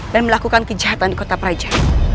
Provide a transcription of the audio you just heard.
dan melakukan kejahatan di kota praja